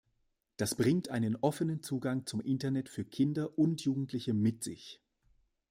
Das bringt einen offenen Zugang zum Internet für Kinder und Jugendliche mit sich.